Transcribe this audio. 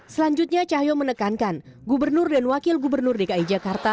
selanjutnya cahyo menekankan gubernur dan wakil gubernur dki jakarta